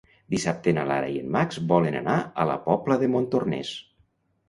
Dissabte na Lara i en Max volen anar a la Pobla de Montornès.